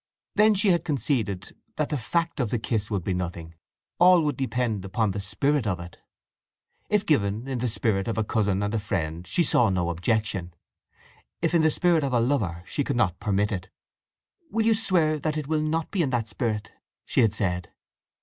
Then she had conceded that the fact of the kiss would be nothing: all would depend upon the spirit of it. If given in the spirit of a cousin and a friend she saw no objection: if in the spirit of a lover she could not permit it. "Will you swear that it will not be in that spirit?" she had said.